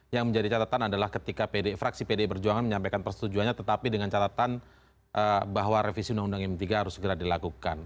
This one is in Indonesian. yang menjadi catatan adalah ketika fraksi pdi perjuangan menyampaikan persetujuannya tetapi dengan catatan bahwa revisi undang undang m tiga harus segera dilakukan